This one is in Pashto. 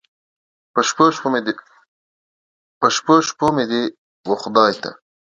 په شپو، شپو مې دې و خدای ته